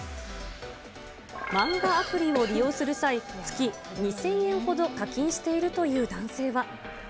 漫画アプリを利用する際、月２０００円ほど課金しているという男性は。